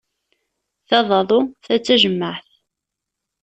Ta d aḍu ta d tajemmaɛt.